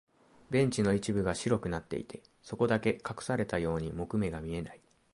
ベンチの一部が白くなっていて、そこだけ隠されたように木目が見えない。